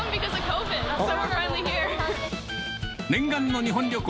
念願の日本旅行。